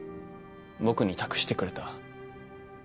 僕に託してくれた。